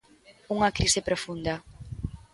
Unha crise profunda.